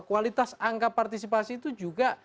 kualitas angka partisipasi itu juga